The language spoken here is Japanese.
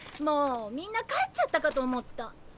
もうみんな帰っちゃったかと思った。